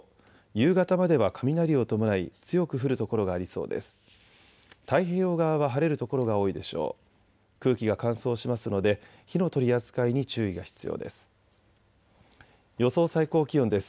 夕方までは雷を伴い強く降る所がありそうです。